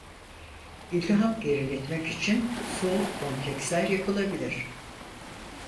İltihap geriletmek için soğuk kompresler yapılabilir.